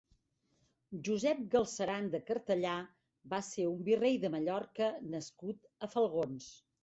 Josep Galceran de Cartellà va ser un virrei de Mallorca nascut a Falgons.